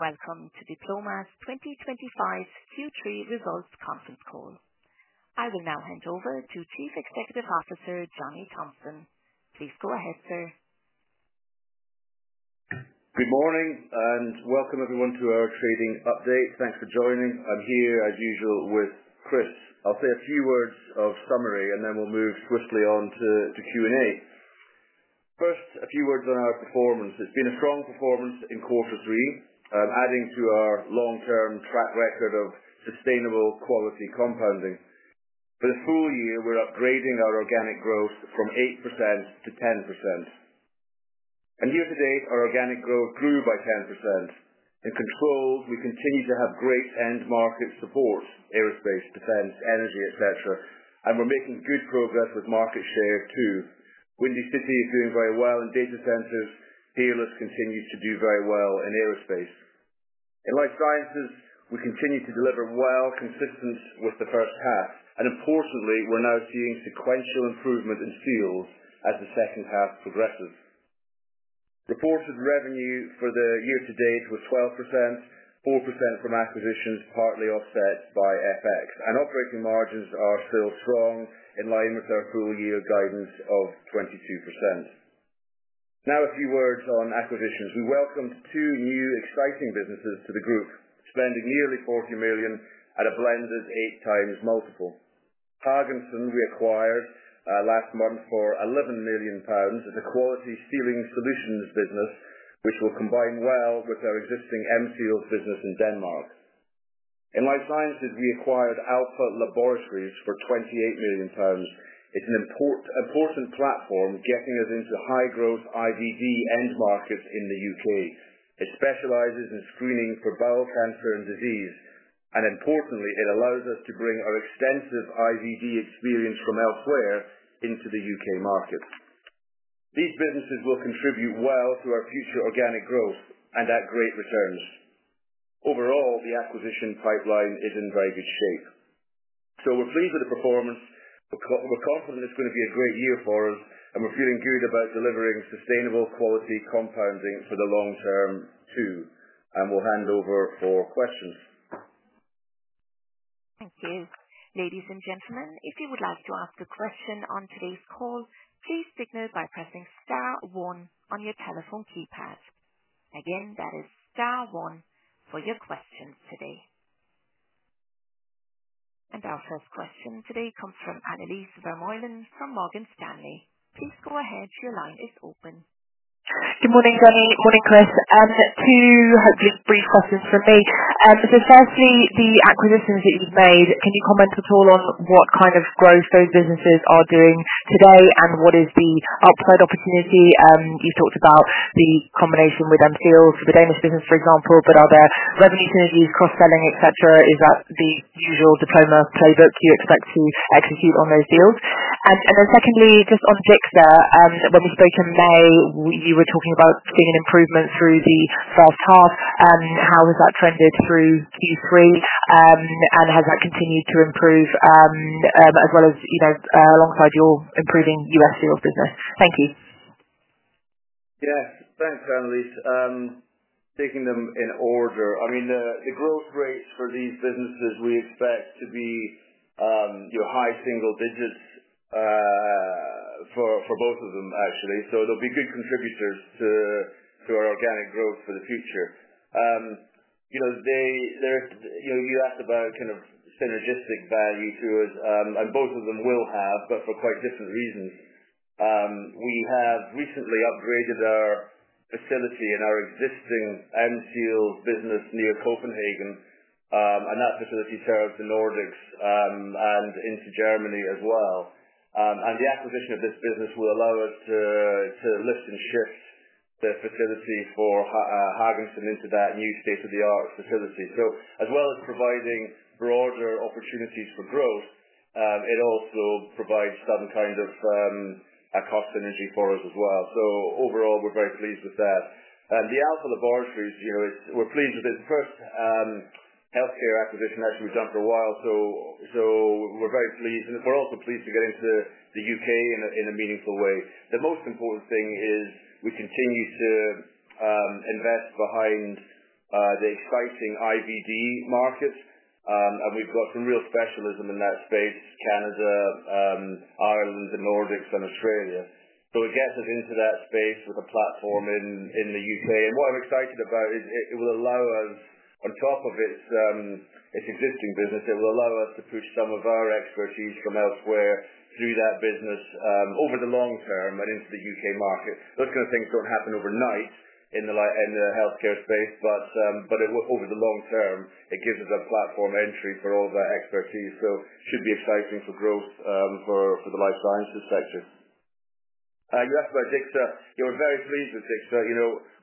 Welcome to Diploma PLC's 2025 Q3 results conference call. I will now hand over to Chief Executive Officer Johnny Thomson. Please go ahead, sir. Good morning and welcome everyone to our trading update. Thanks for joining. I'm here as usual with Chris. I'll say a few words of summary and then we'll move swiftly on to Q and A. First, a few words on our performance. It's been a strong performance in quarter three, adding to our long-term track record of sustainable quality compounding. For the full year we're upgrading our organic growth from 8% to 10% and year to date our organic growth grew by 10%. In controls, we continue to have great end market support: aerospace, defense, energy, etc. We're making good progress with market share too. Windy City is doing very well in data centers. Peerless continues to do very well in aerospace. In life sciences, we continue to deliver well, consistent with the first half. Importantly, we're now seeing sequential improvement in fields as the second half progresses. Reported revenue for the year to date was 12%, 4% from acquisitions, partly offset by FX, and operating margins are still strong in line with our full-year guidance of 22%. Now a few words on acquisitions. We welcomed two new exciting businesses to the group, spending nearly £40 million at a blended eight times multiple. Haagensen A/S we acquired last month for £11 million as a quality sealing solutions business, which will combine well with our existing M-Seals business in Denmark. In life sciences, we acquired Alpha Laboratories for £28 million. It's an important platform getting us into high-growth IVD end markets in the UK. It specializes in screening for bowel cancer and disease, and importantly, it allows us to bring our extensive IVD experience from elsewhere into the UK market. These businesses will contribute well to our future organic growth and at great returns overall. The acquisition pipeline is in very good shape. We're pleased with the performance, we're confident it's going to be a great year for us, and we're feeling good about delivering sustainable quality compounding for the long term too. We'll hand over for questions. Thank you. Ladies and gentlemen, if you would like to ask a question on today's call, please signal by pressing STAR1 on your telephone keypad. That is STAR1 for your questions today. Our first question today comes from Anneliese Vermeulen from Morgan Stanley. Please go ahead. Your line is open. Good morning, Johnny. Morning, Chris. 2. Hopefully brief questions from me. Firstly, the acquisitions that you've made, can you comment at all on what kind of growth those businesses are doing today and what is the upside opportunity? You've talked about the combination with Haagensen A/S, the Danish business, for example, but are there revenue synergies, cross selling, etc. Is that the usual Diploma PLC playbook you expect to execute on those deals? Secondly, just on Dixa, when we spoke in May, you were talking about seeing an improvement through the first half. How has that trended through Q3 and has that continued to improve as well as alongside your improving U.S. serial business? Thank you. Yes, thanks, Anneliese. Taking them in order, I mean the growth rates for these businesses, we expect to be high single digits for both of them actually. They'll be good contributors to our organic growth for the future. You asked about kind of synergistic value to it and both of them will have, but for quite different reasons. We have recently upgraded our facility and our existing M-Seals business near Copenhagen and that facility serves the Nordics and into Germany as well. The acquisition of this business will allow us to lift and shift the facility for Haagensen into that new state-of-the-art facility. As well as providing broader opportunities for growth, it also provides some kind of cost synergy for us as well. Overall we're very pleased with that. The Alpha Laboratories, we're pleased with this first healthcare acquisition actually we've done for a while, so we're very pleased and we're also pleased to get into the UK in a meaningful way. The most important thing is we continue to invest behind the exciting IVD market and we've got some real specialism in that space. Canada, Ireland, the Nordics and Australia. It gets us into that space with a platform in the UK. What I'm excited about is it will allow us on top of its existing business, it will allow us to push some of our expertise from elsewhere through that business over the long term and into the UK market. Those kind of things don't happen overnight in the healthcare space, but over the long term it gives us a platform entry for all of that expertise. Should be exciting for growth for the life sciences sector. You asked about Dixa. We're very pleased with Dixa.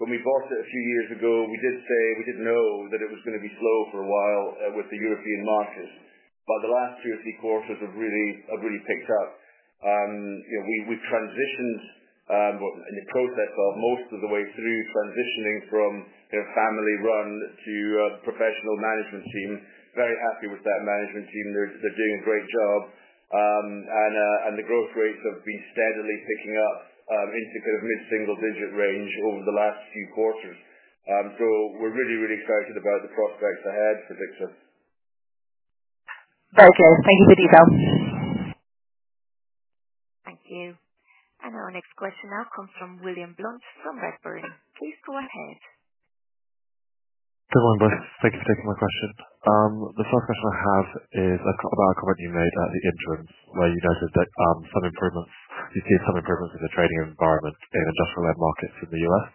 When we bought it a few years ago, we did say we didn't know that it was going to be slow for a while with the European market, but the last two or three quarters have really picked up. We've transitioned in the process of most of the way through transitioning from family run to professional management team. Very happy with that management team. They're doing a great job and the growth rates have been steadily picking up into kind of mid single digit range over the last few quarters. We're really, really excited about the prospects ahead for Dixa. Very good. Thank you for the detail. Thank you. Our next question now comes from William Blunt from Redburn. Please go ahead. Good morning, both. Thank you for taking my question. The first question I have is about a comment you made at the interims where you noted that some improvements, you've seen some improvements in the trading environment in industrial end markets in the U.S.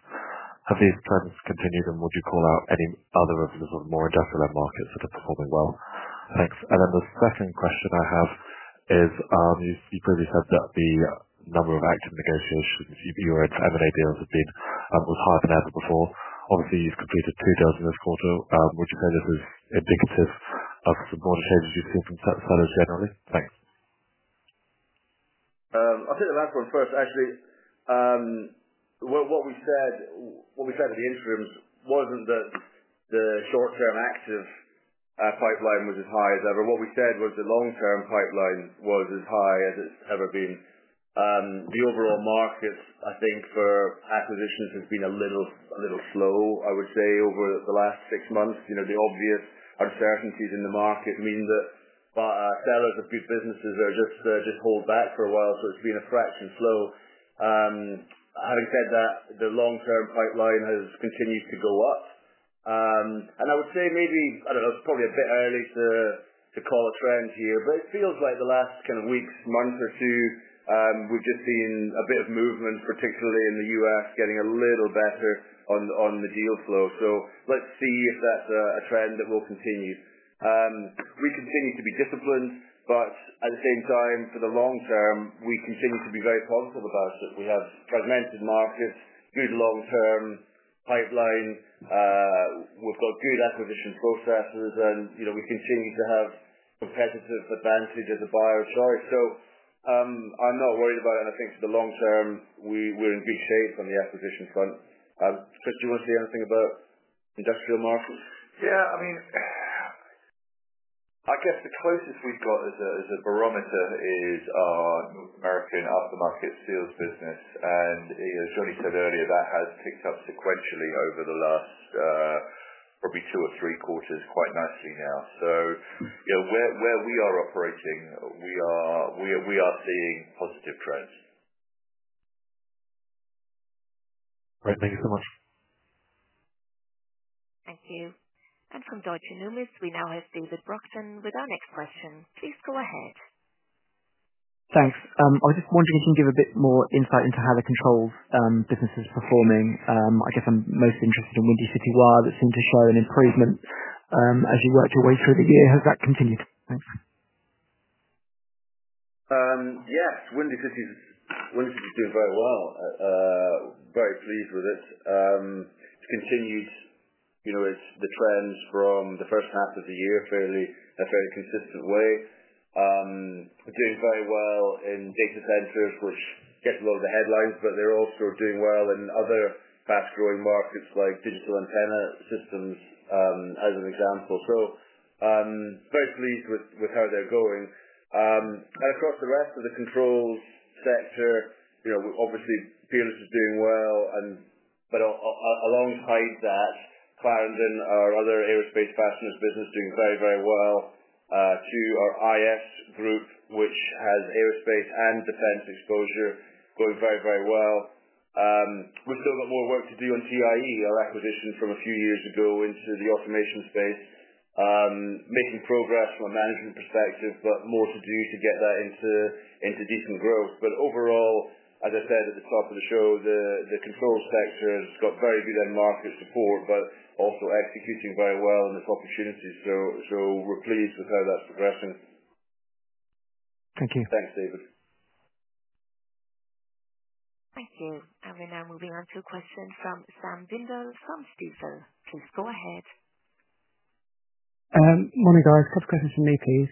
Have these trends continued, and would you call out any other of the more industrial end markets that are performing well? Thanks. The second question I have is you previously said that the number of active negotiations your M&A deals have been was higher than ever before. Obviously you've completed two deals in this quarter. Would you say this is indicative of some changes you've seen from sellers generally? Thanks. I'll take the last one first. Actually, what we said at the interims wasn't that the short term active pipeline was as high as ever. What we said was the long term pipeline was as high as it's ever been. The overall market, I think, for acquisitions has been a little slow, I would say, over the last six months. The obvious uncertainties in the market mean that sellers of good businesses just hold back for a while. It has been a fraction slow. Having said that, the long term pipeline has continued to go up and I would say maybe, I don't know, it's probably a bit early to call a trend here, but it feels like the last kind of weeks, month or two, we've just seen a bit of movement, particularly in the U.S. getting a little better on the deal flow. Let's see if that's a trend that will continue. We continue to be disciplined, but at the same time for the long term we continue to be very positive about it. We have fragmented markets, good long term pipeline, we've got good acquisition processes, and we continue to have competitive advantage as a buyer of choice. I'm not worried about it. I think for the long term we're in good shape on the acquisition front. Do you want to say anything about industrial markets? Yeah, I mean, I guess the closest. We've got as a barometer is our North American aftermarket seals business. As Johnny said earlier, that has picked up sequentially over the last probably two or three quarters quite nicely now. Where we are operating, we are seeing positive trends. Great. Thank you so much. Thank you. From Deutsche Numis, we now have David Brockton with our next question. Please go ahead. Thanks. I was just wondering if you can give a bit more insight into how the controls business is performing. I guess I'm most interested in Windy City Wire. That seemed to show an improvement as. You work your way through the year. Has that continued? Thanks. Yes, Windy City Wire is doing very well, very pleased with it. It's continued the trends from the first half of the year in a fairly consistent way. Doing very well in data centers, which gets a lot of the headlines. They're also doing well in other fast growing markets like digital antenna systems as an example. Very pleased with how they're going. Across the rest of the control sector, obviously Peerless is doing well, but alongside that Clarendon, our other aerospace passengers business, is doing very, very well too. Our IS group, which has aerospace and defense exposure, is going very, very well. We've still got more work to do on tie our acquisition from a few years ago into the automation space. Making progress from a management perspective, but more to do to get that into decent growth. Overall, as I said at the top of the show, the control sector has got very good end market support but also executing very well in its opportunities. We're pleased with how that's progressing. Thank you. Thanks David. Thank you. We're now moving on to a question from Sam Bindle from Stifel. Please go ahead. Morning guys. Couple of questions from me please.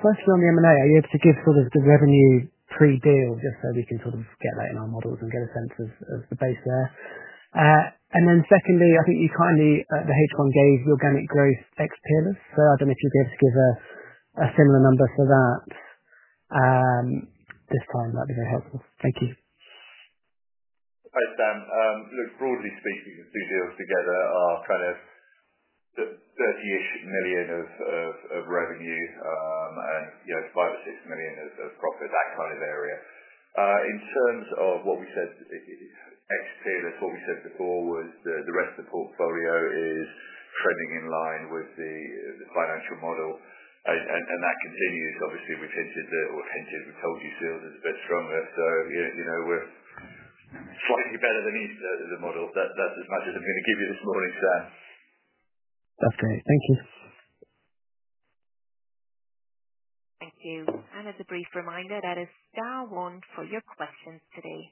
Firstly, on the M&A, are you able to give sort of the revenue pre deal just so we can sort of get that in our models and get a sense of the base there, and then secondly, I think you kindly in H1 gave the organic growth ex Peerless. I don't know if you'd be able to give a similar number for that this time. That'd be very helpful, thank you. Thanks, Dan. Broadly speaking, the two deals together. Are kind of $30 million of revenue and $5 or $6 million of profit. That kind of area in terms of what we said, that's what we said before was the rest of the portfolio is trending in line with the financial model and that continues obviously. We've hinted, we told you seals is a bit stronger so we're slightly better than Easter models. That's as much as I'm going to give you this morning, sir. That's great. Thank you. Thank you. As a brief reminder, that is Star one for your questions today.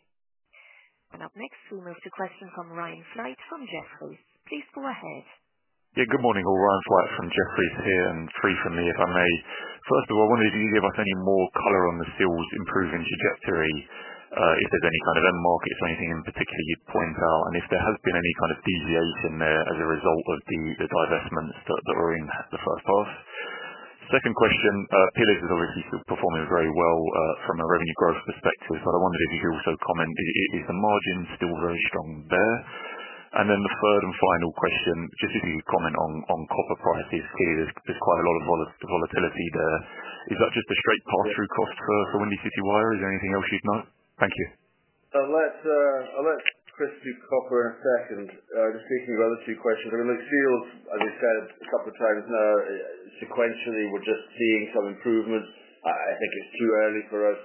Up next, we move to a question from Ryan Flight from Jefferies. Please go ahead. Good morning, all. Ryan Flight from Jeffries here and three from me, if I may. First of all, I wondered if you could give us any more color on the seals' improving trajectory, if there's any kind of end markets or anything in particular you'd highlight. If there has been any kind of deviation there as a result of the divestments that were in the first half. Second question, Peerless is obviously still performing very well from a revenue growth perspective, but I wondered if you could also comment, is the margin still very strong there? The third and final question, just if you could comment on copper prices. There's quite a lot of volatility there. Is that just a straight pass-through cost for Windy City Wire? Is there anything else you'd note? Thank you. I'll let Chris do copper in a second. Just speaking of your other two questions, I mean, Luxeel's, as you said a couple of times now, sequentially, we're just seeing some improvements. I think it's too early for us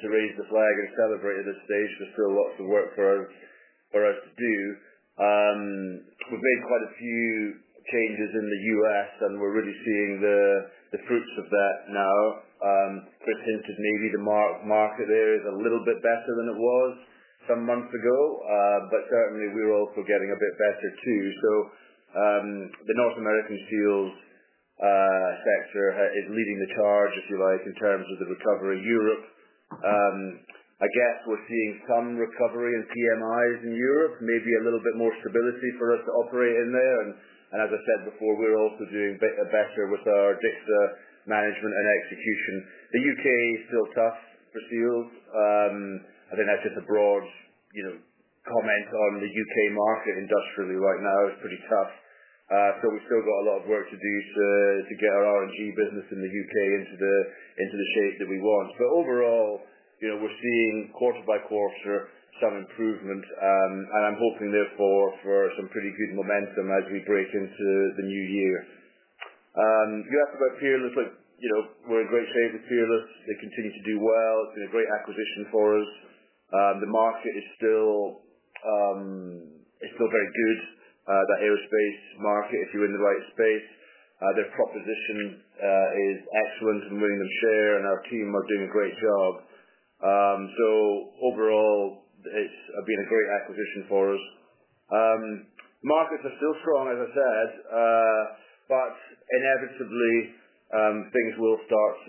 to raise the flag and celebrate at this stage. There's still lots of work for us to do. We've made quite a few changes in the U.S. and we're really seeing the fruits of that now. Chris hinted maybe the market there is a little bit better than it was some months ago, but certainly we're also getting a bit better too. The North American fuels sector is leading the charge, if you like, in terms of the recovery. Europe, I guess we're seeing some recovery in PMIs in Europe, maybe a little bit more stability for us to operate in there. As I said before, we're also doing better with our Dixon management and execution. The UK is still tough for Seals. I think that's just a broad comment on the UK market. Industrially right now is pretty tough, so we've still got a lot of work to do to get our RNG business in the UK into the shape that we want. Overall we're seeing quarter by quarter, some improvement and I'm hoping, therefore, for some pretty good momentum as we break into the new year. You ask about Peerless. We're in great shape with Peerless. They continue to do well. It's been a great acquisition for us. The market is still very good. That aerospace market, if you're in the right space, their proposition is excellent and William Share and our team are doing a great job. Overall it's been a great acquisition for us. Markets are still strong, as I said, but inevitably things will start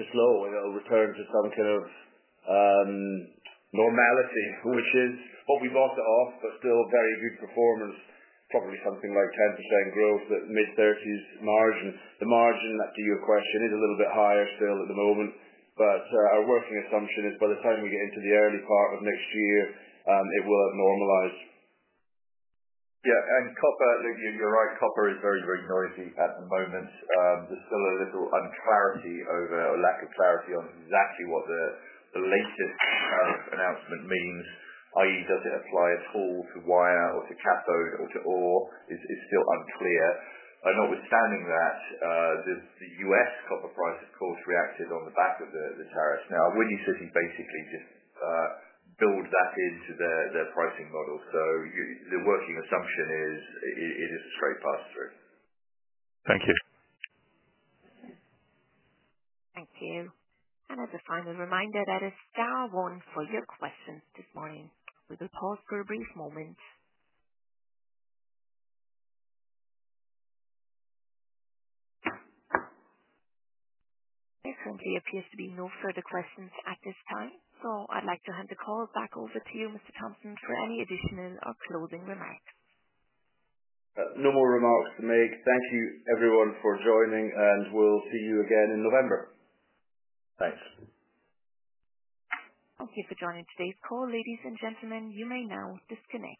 to slow and it will return to some kind of normality, which is what we bought it off, but still very good performance, probably something like 10% growth, mid-30s margin. The margin to your question is a little bit higher still at the moment. Our working assumption is by the time we get into the early part of next year, it will abnormalize. Yeah. And copper, you're right, copper is very. Very noisy at the moment. There's still a little unclarity or lack of clarity on exactly what the latest announcement means. That is, does it apply at all to wire or to cathode or to ore is still unclear. Notwithstanding that, the U.S. copper price of course reacted on the back of the announcement. Windy City Wire basically just builds that into their pricing model. The working assumption is it is a straight pass-through. Thank you. Thank you. As a final reminder, that is Star Wars for your questions this morning. We will pause for a brief moment. There currently appears to be no further questions at this time. I would like to hand the call back over to you, Mr. Thomson, for any additional or closing remarks. No more remarks to make. Thank you everyone for joining and we'll see you again in November. Thanks. Thank you for joining today's call. Ladies and gentlemen, you may now disconnect.